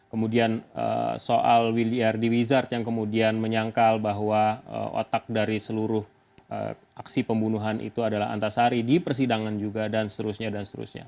kemudian soal willy ardi wizard yang kemudian menyangkal bahwa otak dari seluruh aksi pembunuhan itu adalah antasari di persidangan juga dan seterusnya dan seterusnya